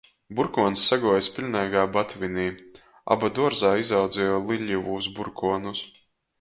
Būrkuons saguojs piļneigā batvinī aba duorzā izaudzieju liļovūs būrkuonus.